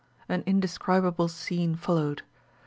An indescribable scene followed.